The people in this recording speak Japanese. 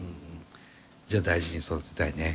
じゃあ大事に育てたいね。